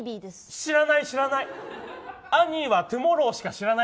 知らない、知らない。